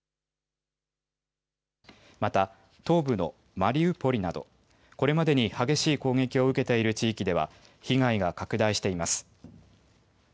また東部のマリウポリなどこれまでに激しい攻撃を受けている地域では被害が拡大しています。